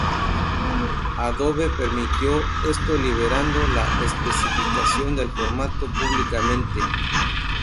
Adobe permitió esto liberando la especificación del formato públicamente.